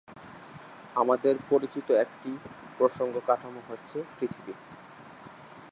আমাদের পরিচিত একটি প্রসঙ্গ কাঠামো হচ্ছে পৃথিবী।